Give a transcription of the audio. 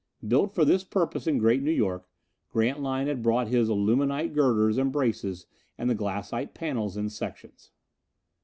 Built for this purpose in Great New York, Grantline had brought his aluminite girders and braces and the glassite panels in sections.